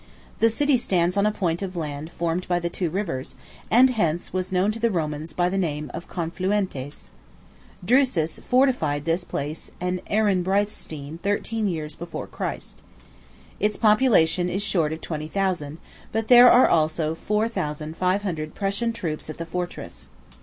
The city stands on a point of land formed by the two rivers, and hence was known to the Romans by the name of Confluentes. Drusus fortified this place and Ehrenbreitstein thirteen years before Christ. Its population is short of twenty thousand; but there are also four thousand five hundred Prussian troops at the fortress.